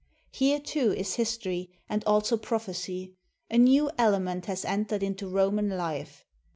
Here, too, is history, and also prophecy. A new element has entered into Roman life.